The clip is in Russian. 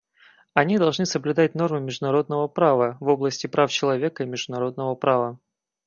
Они должны соблюдать нормы международного права в области прав человека и международного права.